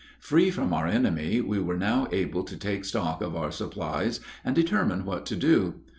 Free from our enemy, we were now able to take stock of our supplies and determine what to do.